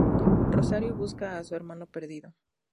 Rosario busca a su hermano perdido.